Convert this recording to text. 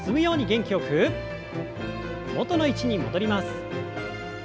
元の位置に戻ります。